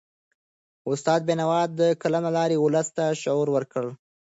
استاد بینوا د قلم له لاري ولس ته شعور ورکړ.